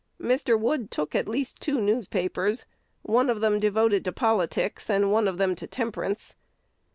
Mr. Wood took at least two newspapers, one of them devoted to politics, and one of them to temperance.